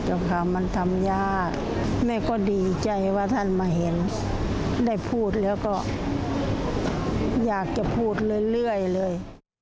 แล้วค่ะมันทำยากแม่ก็ดีใจว่าท่านมาเห็นได้พูดแล้วก็อยากจะพูดเรื่อยเลย